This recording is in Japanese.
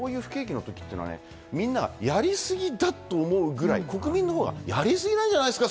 こういう不景気の時は、みんながやりすぎだと思うくらい国民の方はやりすぎなんじゃないですか？